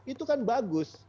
itu kan bagus